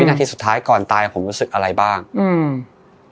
นาทีสุดท้ายก่อนตายผมรู้สึกอะไรบ้างอืม